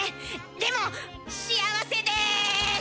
でも幸せです！